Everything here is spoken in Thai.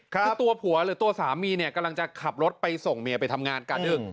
คือตัวผัวหรือตัวสามีเนี่ยกำลังจะขับรถไปส่งเมียไปทำงานกาดึก